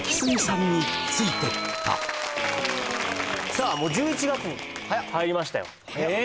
さあもう１１月に入りましたよえ